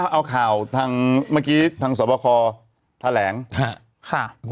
เอาข่าวทางเมื่อกี้ทางสวบคอแถลง